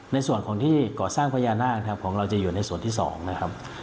ในส่วนของที่ก่อสร้างพญานาคนะครับของเราจะอยู่ในส่วนที่๒นะครับ